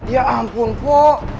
ya ampun pak